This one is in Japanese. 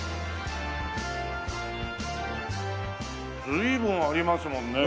随分ありますもんね。